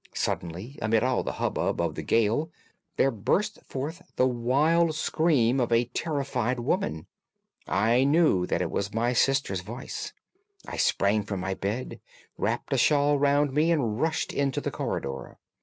Suddenly, amid all the hubbub of the gale, there burst forth the wild scream of a terrified woman. I knew that it was my sister's voice. I sprang from my bed, wrapped a shawl round me, and rushed into the corridor.